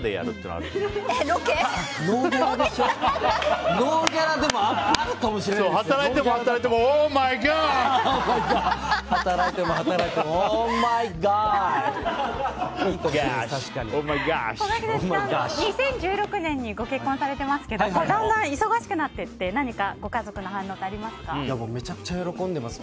こがけんさん、２０１６年にご結婚されてますけどだんだん忙しくなっていって何か、ご家族の反応ってめちゃくちゃ喜んでます。